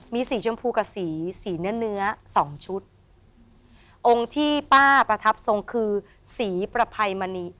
มีสีชมพูกับสีสีเนื้อเนื้อสองชุดองค์ที่ป้าประทับทรงคือสีประภัยมณี